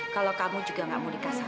kalau kamu juga gak mau dikasih